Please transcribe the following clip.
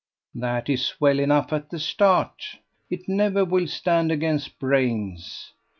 "That is well enough at the start. It never will stand against brains.